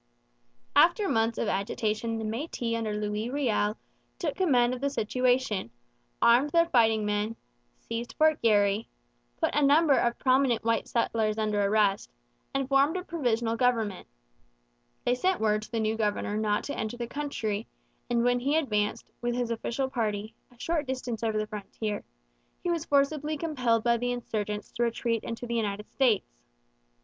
After months of agitation the Métis under Louis Riel took command of the situation, armed their fighting men, seized Fort Garry, put a number of prominent white residents under arrest, and formed a provisional government. They sent word to the new governor not to enter the country; and when he advanced, with his official party, a short distance over the frontier, he was forcibly compelled by the insurgents to retreat into the United States.